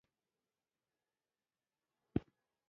شنې سترگې يې خورا اثرناکې وې.